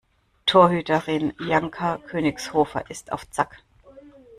Torhüterin Janka Königshofer ist auf Zack.